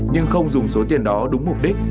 nhưng không dùng số tiền đó đúng mục đích